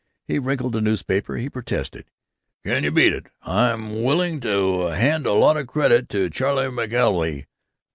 He wrinkled the newspaper. He protested: "Can you beat it! I'm willing to hand a lot of credit to Charley McKelvey.